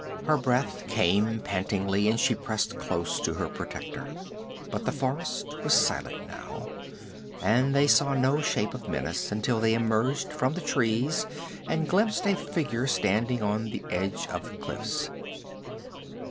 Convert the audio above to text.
Her breath came pantingly and she pressed close to her protector. But the forest was silent now, and they saw no shape of menace until they emerged from the trees and glimpsed a figure standing on the edge of the cliffs.